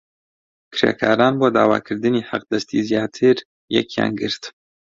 کرێکاران بۆ داواکردنی حەقدەستی زیاتر یەکیان گرت.